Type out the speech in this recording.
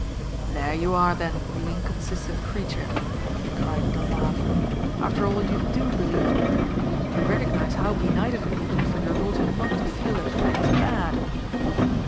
"There you are then, you inconsistent creature," he cried with a laugh: "after all you DO believe me! You recognise how benighted it would be for your daughter not to feel that Fanny's bad."